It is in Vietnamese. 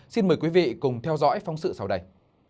xin mời quý vị cùng theo dõi phóng sự sau đây